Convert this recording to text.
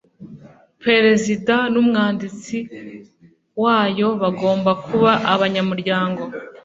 perezida n’umwanditsi wayo bagomba kuba abanyamuryango